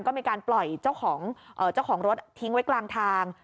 ก็มีการปล่อยเจ้าของเจ้าของรถทิ้งไว้กลางทาง